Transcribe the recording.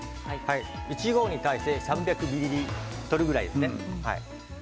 １合に対して３００ミリリットルぐらいですね。